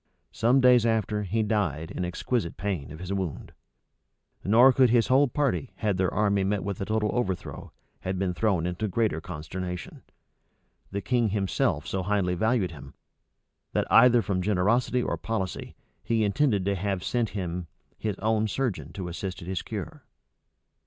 Some days after, he died, in exquisite pain, of his wound; nor could his whole party, had their army met with a total overthrow, have been thrown into greater consternation. The king himself so highly valued him, that, either from generosity or policy, he intended to have sent him his own surgeon to assist at his cure.[*] * See note M, at the end of the volume.